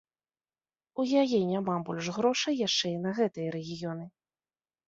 У яе няма больш грошай яшчэ і на гэтыя рэгіёны.